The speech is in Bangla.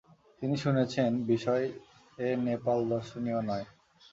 তিনি শুনেছেন, বিষয়ে নেপাল দর্শনীয় নয়।